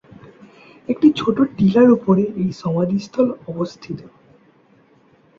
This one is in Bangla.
একটি ছোট টিলার উপরে এই সমাধিস্থল অবস্থিত।